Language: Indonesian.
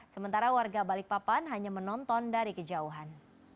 sementara warga balikpapan hanya menonton dari kejauhan